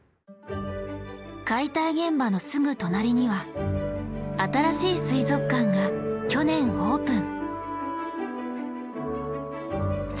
解体現場のすぐ隣には新しい水族館が去年オープン。